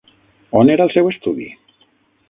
On era el seu estudi?